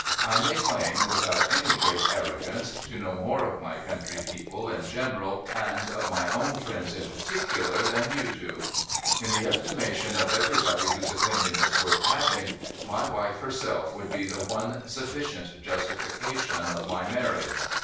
' I may claim, without any great arrogance, to know more of my country people in general, and of my own friends in particular, than you do. In the estimation of everybody whose opinion is worth having, my wife herself would be the one sufficient justification of my marriage.